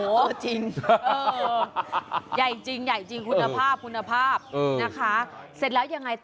โอ้โหจริงคุณภาพนะคะเสร็จแล้วยังไงต่อ